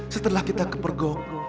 setelah kita ke pergoko